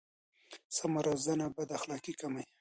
سمه روزنه بد اخلاقي کموي.